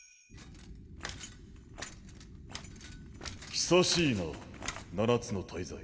久しいな七つの大罪。